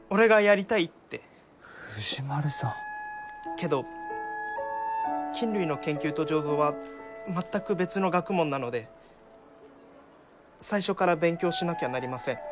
けど菌類の研究と醸造は全く別の学問なので最初から勉強しなきゃなりません。